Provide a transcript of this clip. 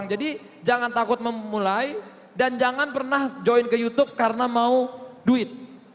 jadi jangan takut memulai dan jangan pernah join ke youtube karena mau duit